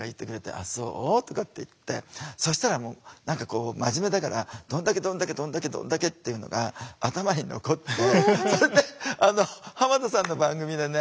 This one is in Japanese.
「あっそう？」とかって言ってそしたらもう何かこう真面目だから「どんだけどんだけどんだけどんだけ」っていうのが頭に残ってそれで浜田さんの番組でね